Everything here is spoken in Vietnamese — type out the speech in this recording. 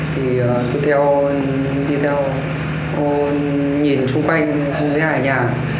thì tôi theo đi theo nhìn xung quanh không thấy ai ở nhà